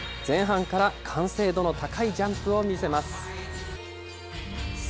前半から完成度の高いジャンプを見せます。